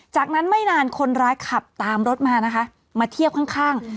จากนั้นไม่นานคนร้ายขับตามรถมานะคะมาเทียบข้างข้าง